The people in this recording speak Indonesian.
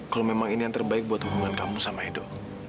kalau memang ini yang terbaik buat hubungan kamu sama edo